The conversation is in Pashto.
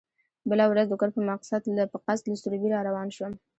بله ورځ د کور په قصد له سروبي را روان شوم.